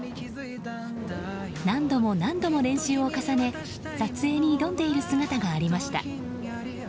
何度も何度も練習を重ね撮影に挑んでいる姿がありました。